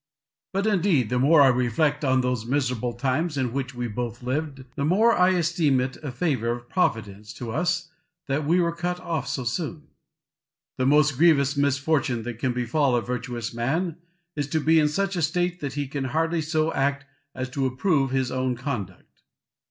But, indeed, the more I reflect on those miserable times in which we both lived, the more I esteem it a favour of Providence to us that we were cut off so soon. The most grievous misfortune that can befall a virtuous man is to be in such a state that he can hardly so act as to approve his own conduct.